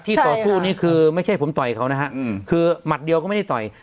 ต่อสู้นี่คือไม่ใช่ผมต่อยเขานะฮะคือหมัดเดียวก็ไม่ได้ต่อย